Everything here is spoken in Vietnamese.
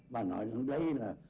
và nói rằng đây là